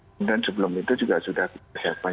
kemudian sebelum itu juga sudah persiapan